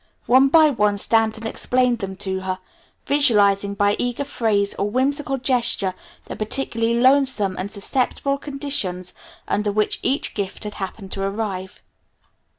One by one Stanton explained them to her, visualizing by eager phrase or whimsical gesture the particularly lonesome and susceptible conditions under which each gift had happened to arrive.